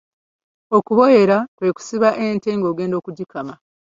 Okuboyera kwe kusiba ente ng’ogenda okugikama.